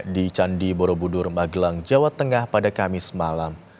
di candi borobudur magelang jawa tengah pada kamis malam